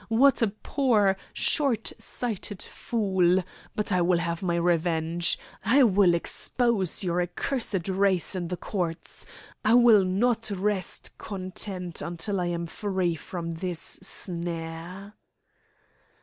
What a poor, short sighted fool! But I will have my revenge! I will expose your accursed race in the courts! I will not rest content until I am free from this snare!"